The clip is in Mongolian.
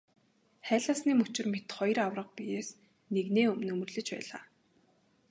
Хайлаасны мөчир мэт хоёр аварга биес нэгнээ нөмөрлөж байлаа.